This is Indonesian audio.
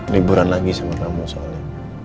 liburan lagi sama sama soalnya